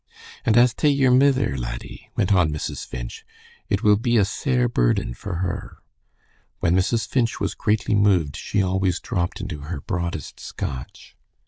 "And as tae ye're mither, laddie," went on Mrs. Finch, "it will be a sair burden for her." When Mrs. Finch was greatly moved she always dropped into her broadest Scotch.